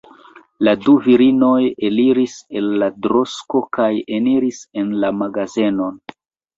La du virinoj eliĝis el la droŝko kaj eniris en la magazenon.